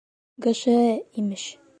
ГШЭ, имеш.